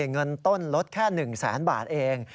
เงินต้นลดแค่๑๐๐๐๐๐บาทเอง